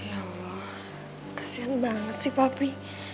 ya allah kasian banget sih papi